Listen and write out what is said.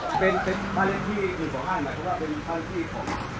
กลางทางออกมากกว่ายังไม่มีเมื่อการท้ายข้น